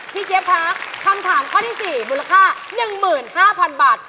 เจ๊บค่ะคำถามข้อที่๔มูลค่า๑๕๐๐๐บาท